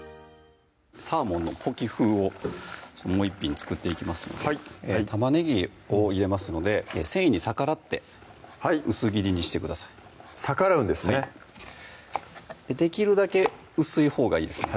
サーモンのポキ風をもう１品作っていきますので玉ねぎを入れますので繊維に逆らって薄切りにしてください逆らうんですねはいできるだけ薄いほうがいいですね